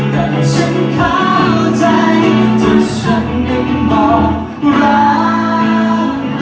แต่ฉันเข้าใจถ้าฉันไม่บอกร้าย